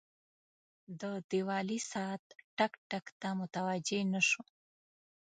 د دیوالي ساعت ټک، ټک ته متوجه نه شو.